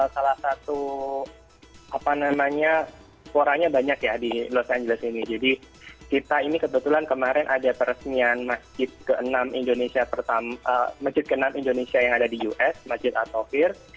salah satu apa namanya suaranya banyak ya di los angeles ini jadi kita ini kebetulan kemarin ada peresmian masjid ke enam indonesia pertama masjid ke enam indonesia yang ada di us masjid atofir